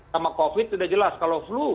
sama covid sudah jelas kalau flu